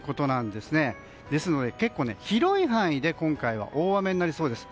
ですので結構、広い範囲で今回は大雨になりそうです。